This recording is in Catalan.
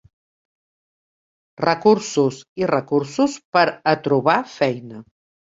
Recursos i recursos per a trobar feina.